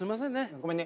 ごめんね。